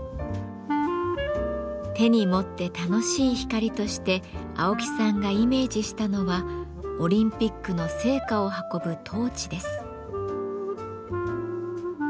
手に持って楽しい光として青木さんがイメージしたのはオリンピックの聖火を運ぶトーチです。